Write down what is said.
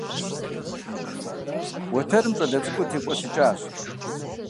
Уэтэрым щӀалэ цӀыкӀур текӀуэсыкӀащ.